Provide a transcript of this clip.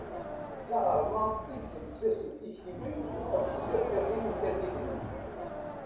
D taɣerma i d llsas n tiktiwin akk tsertanin n tallit-nni.